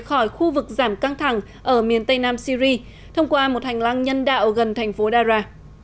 khỏi khu vực giảm căng thẳng ở miền tây nam syri thông qua một hành lang nhân đạo gần thành phố dara